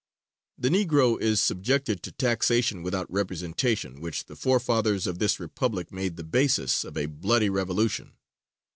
The Negro is subjected to taxation without representation, which the forefathers of this Republic made the basis of a bloody revolution.